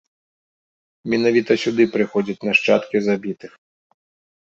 Менавіта сюды прыходзяць нашчадкі забітых.